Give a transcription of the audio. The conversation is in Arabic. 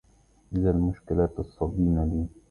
إذا المشكلات تصدين لي